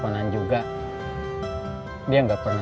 udah jalan dibawa semua